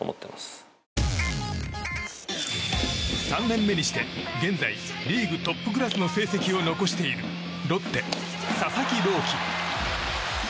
３年目にして現在、リーグトップクラスの成績を残しているロッテ、佐々木朗希。